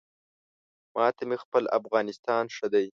ما ته مې خپل افغانستان ښه دی